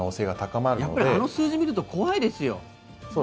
やっぱりあの数字を見ると怖いですよ。